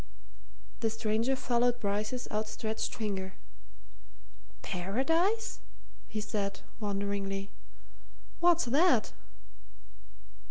The stranger followed Bryce's outstretched finger. "Paradise?" he said, wonderingly. "What's that?"